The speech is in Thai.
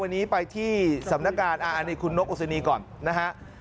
วันนี้ไปที่สำนักการอันนี้คุณนกอุศนีก่อนนะฮะ